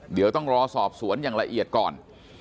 เดี๋ยวต้องรอสอบสวนอย่างละเอียดก่อน